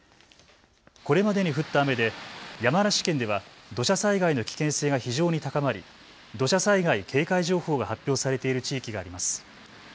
これまでに降った雨で山梨県では土砂災害の危険性が非常に高まり土砂災害警戒情報が発表されている地域があります。